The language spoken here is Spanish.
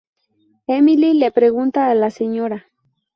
Emily le pregunta a la Sra.